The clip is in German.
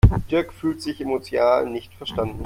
Dirk fühlt sich emotional nicht verstanden.